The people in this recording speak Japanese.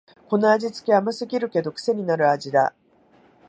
この味つけ、甘すぎるけどくせになる味だ